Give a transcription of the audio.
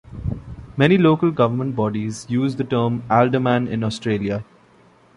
Many local government bodies used the term "alderman" in Australia.